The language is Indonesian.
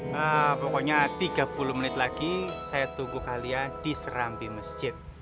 nah pokoknya tiga puluh menit lagi saya tunggu kalian di serambi masjid